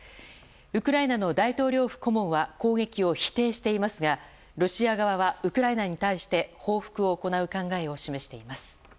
ウクライナの大統領府顧問は攻撃を否定していますがロシア側はウクライナに対して報復を行う考えを示しています。